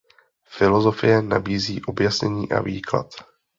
Filozofie nabízí objasnění a výklad.